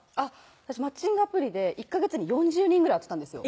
私マッチングアプリで１ヵ月に４０人ぐらい会ってたんですよ